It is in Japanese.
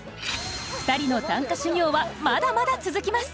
２人の短歌修行はまだまだ続きます。